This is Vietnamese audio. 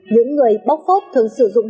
những người bóc khốt thường sử dụng